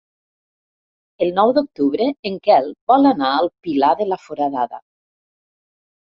El nou d'octubre en Quel vol anar al Pilar de la Foradada.